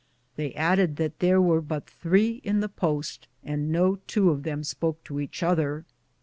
They added that there were but three in the post, and no two of them spoke to each other.